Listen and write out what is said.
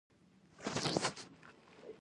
غوښې د افغانستان د ځمکې د جوړښت نښه ده.